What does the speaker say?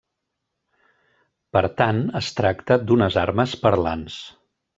Per tant, es tracta d'unes armes parlants.